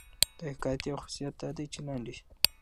د حکایت یو خصوصیت دا دئ، چي لنډ يي.